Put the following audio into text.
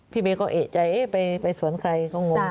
พี่เบ๊ก็เอกใจไปสวนใครเขางง